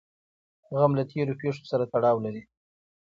غم له تېرو پېښو سره تړاو لري.